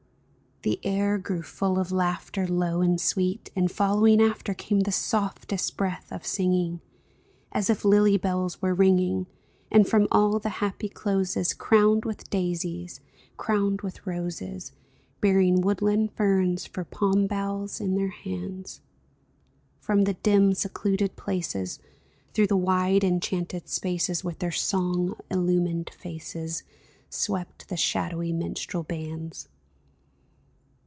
— The air grew full of laughter Low and sweet, and following after Came the softest breath of singing As if lily bells were ringing ; And from all the happy closes, Crowned with daisies, crowned with roses, Bearing woodland ferns for palm boughs in their hands. From the dim secluded places. Through the wide enchanted spaces, A DREAM OF SONGS UNSUNG 303 With their song illumined faces Swept the shadowy minstrel bands